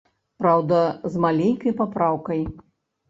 Праўда, з маленькай папраўкай.